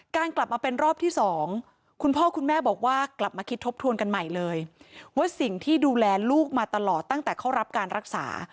กลับมาเป็นรอบที่๒คุณพ่อคุณแม่บอกว่ากลับมาคิดทบทวนกันใหม่เลยว่าสิ่งที่ดูแลลูกมาตลอดตั้งแต่เข้ารับการรักษา